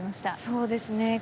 そうですね。